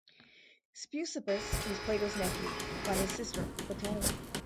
Speusippus was Plato's nephew by his sister Potone.